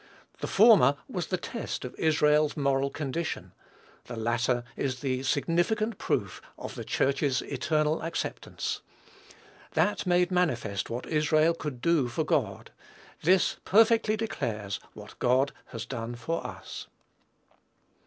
The former was the test of Israel's moral condition; the latter is the significant proof of the Church's eternal acceptance. That made manifest what Israel could do for God; this perfectly declares what God has done for us.